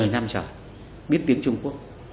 một mươi năm trở biết tiếng trung quốc